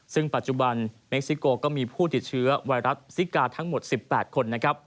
ซึ่งปัจจุบันเม็กซิโกก็มีผู้ติดเชื้อไวรัสซิกาทั้งหมด๑๘คน